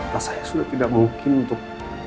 rasanya sudah tidak mungkin untuk